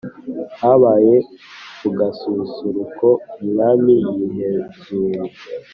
habaye kugasusuruko umwami yihezuye